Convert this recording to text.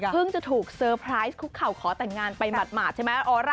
จะถูกเซอร์ไพรส์คุกเข่าขอแต่งงานไปหมาดใช่ไหม